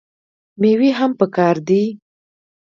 میوې هم پکار دي.